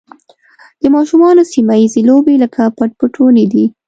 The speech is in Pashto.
د ماشومانو سیمه ییزې لوبې لکه پټ پټونی دي.